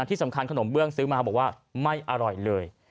ที่สำคัญขนมเบื้องซื้อมาบอกว่าไม่อร่อยเลย